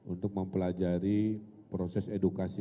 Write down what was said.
untuk mempelajari proses edukasi